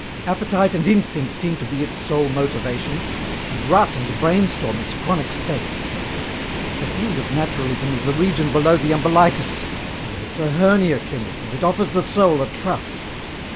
'Appetite and instinct' seem to be its sole motivation and rut and brainstorm its chronic states. The field of naturalism is the region below the umbilicus. Oh, it's a hernia clinic and it offers the soul a truss!